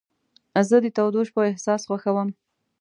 زه د تودو شپو احساس خوښوم.